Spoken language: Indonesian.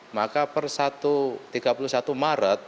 maka per tiga puluh satu maret kita akan melakukan pemblokiran layanan